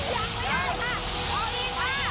ผู้โชคดีได้แก่คุณกวีสักวง